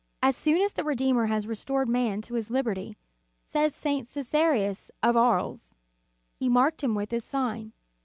"As soon as the Redeemer had restored man to his liberty," says St. Csesarius of Aries, "He marked him with His sign.